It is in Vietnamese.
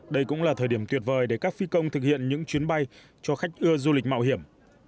đây cũng là thời điểm tuyệt vời để các phi công thực hiện những chuyến bay cho khách ưa du lịch mạo hiểm